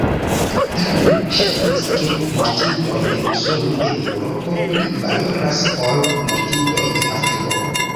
Tamen ŝajnas, ke mortintoj en Usono, en Eŭropo pli valoras ol mortintoj en Afriko.